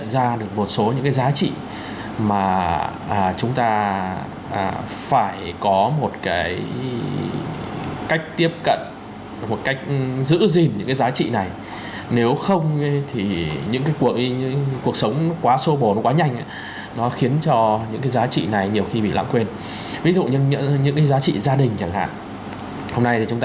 gia đình cũng vẫn là quan trọng nhất